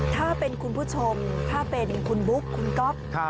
ถ้าเป็นคุณผู้ชมถ้าเป็นคุณบุ๊คคุณก๊อฟ